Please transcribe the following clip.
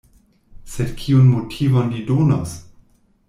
Sed kiun motivon li donos?